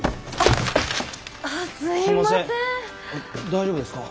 大丈夫ですか？